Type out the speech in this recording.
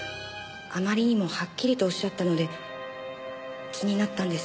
あまりにもはっきりとおっしゃったので気になったんです。